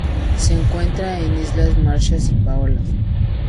Se encuentra en Islas Marshall y Palaos.